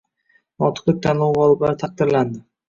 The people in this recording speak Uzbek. Notiqlik tanlovi g‘oliblari taqdirlanding